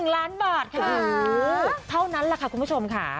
๑ล้านบาทค่ะเท่านั้นแหละค่ะคุณผู้ชมค่ะ